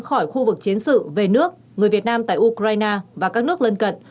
khỏi khu vực chiến sự về nước người việt nam tại ukraine và các nước lân cận